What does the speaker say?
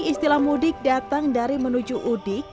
istilah mudik datang dari menuju udik